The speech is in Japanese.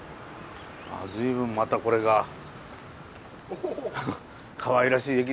随分またこれがかわいらしい駅ですね。